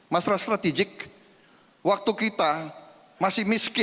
masalah strategik waktu kita masih miskin